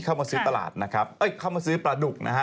เข้ามาซื้อตลาดนะครับเอ้ยเข้ามาซื้อปลาดุกนะฮะ